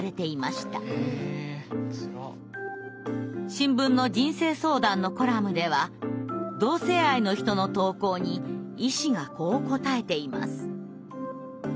新聞の人生相談のコラムでは同性愛の人の投稿に医師がこう答えています。